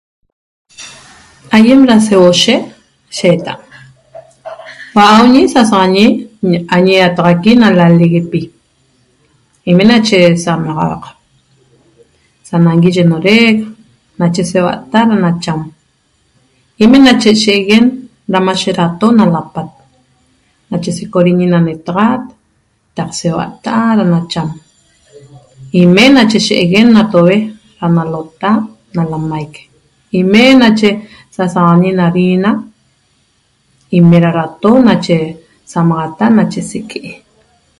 Aiem ra seuoshe nache sheeta: hua’auñi sasaxañi añi iataxaqui na laleguepi ime nache samaxauaq, sanangui ye norec nache seuata’a ra nacham ime nache sheguen ra mashe rato na lapat nache secoriñi na ne’etaxat taq seuata’a ra nacham, ime nache sheeguen na toue ra nalota na lamaic ime nache sasaxañi na harina ime ra rato nache samaxata nache seque’e.